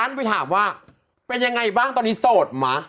ไปถามว่าเป็นยังไงบ้างตอนนี้โสดมั้ย